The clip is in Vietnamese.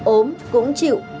ốm cũng chịu